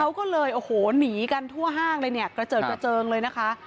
เขาก็เลยหนีกันทั่วห้างเลยกระเจิดกระเจิงเลยนะคะ